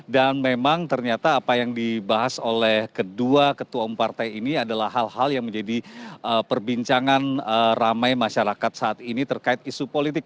dan memang ternyata apa yang dibahas oleh kedua ketua umum partai ini adalah hal hal yang menjadi perbincangan ramai masyarakat saat ini terkait isu politik